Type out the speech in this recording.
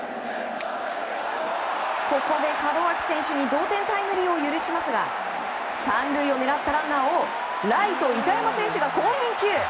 ここで門脇選手に同点タイムリーを許しますが３塁を狙ったライト板山選手が好返球！